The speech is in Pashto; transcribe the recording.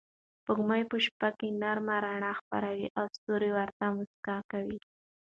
سپوږمۍ په شپه کې نرم رڼا خپروي او ستوري ورته موسکا کوي.